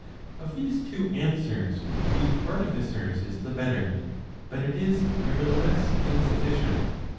Of these two answers the artificer's is the better, but it is nevertheless insufficient.